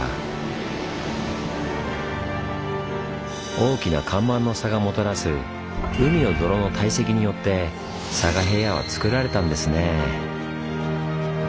大きな干満の差がもたらす海の泥の堆積によって佐賀平野はつくられたんですねぇ。